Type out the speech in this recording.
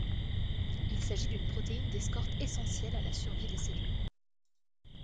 Il s'agit d'une protéine d'escorte essentielle à la survie des cellules.